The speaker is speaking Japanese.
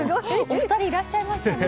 お二人いらっしゃいましたね。